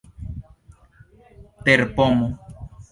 terpomo